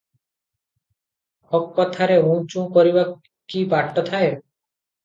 ହକ୍ କଥାରେ ଉଁ ଚୁ କରିବାକୁ କି ବାଟ ଥାଏ?